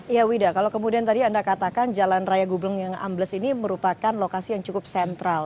ya wida kalau kemudian tadi anda katakan jalan raya gubeng yang ambles ini merupakan lokasi yang cukup sentral